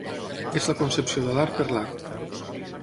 És la concepció de l'art per l'art.